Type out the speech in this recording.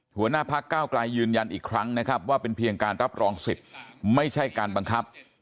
หัวหน้าพักเก้าไกลยืนยันอีกครั้งนะครับว่าเป็นเพียงการรับรองสิทธิ์ไม่ใช่การบังคับ